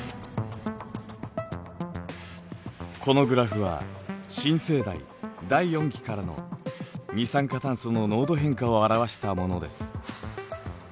このグラフは新生代第四紀からの二酸化炭素の濃度変化を表したものです。